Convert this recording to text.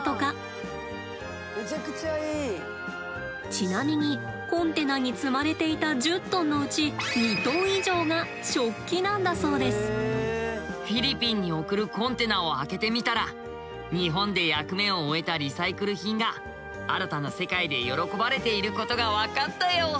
ちなみにコンテナに積まれていたフィリピンに送るコンテナを開けてみたら日本で役目を終えたリサイクル品が新たな世界で喜ばれていることがわかったよ。